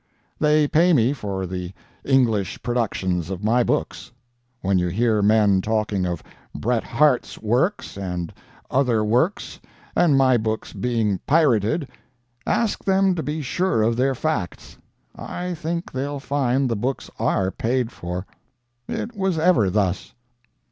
They pay me for the English productions of my books. When[Pg 172] you hear men talking of Bret Harte's works and other works and my books being pirated, ask them to be sure of their facts. I think they'll find the books are paid for. It was ever thus.